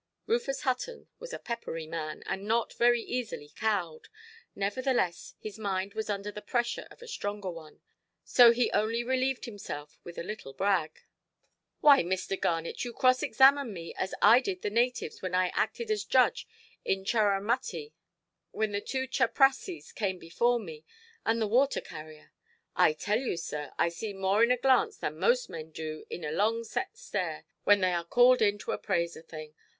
Rufus Hutton was a peppery man, and not very easily cowed. Nevertheless, his mind was under the pressure of a stronger one. So he only relieved himself with a little brag. "Why, Mr. Garnet, you cross–examine me as I did the natives when I acted as judge in Churramuttee, when the two chuprassies came before me, and the water–carrier. I tell you, sir, I see more in a glance than most men do in a long set stare, when they are called in to appraise a thing.